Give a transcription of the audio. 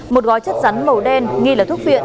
một gói chất rắn màu đen nghi là thuốc viện